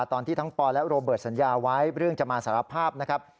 ตอนที่ทั้งปอและโรเบิร์ตสัญญาไว้เรื่องจะมาสารภาพนะครับ